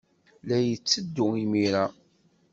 La yetteddu imir-a?